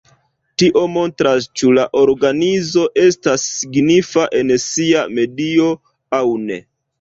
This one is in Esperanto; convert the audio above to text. Tio montras ĉu la organizo estas signifa en sia medio aŭ ne.